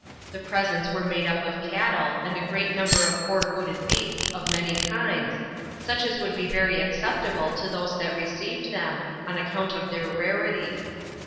The presents were made up of cattle, and a great number of four footed beasts, of many kinds, such as would be very acceptable to those that received them, on account of their rarity.